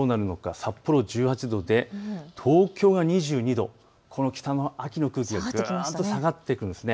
札幌１８度で東京は２２度、北の秋の空気が下がってきます。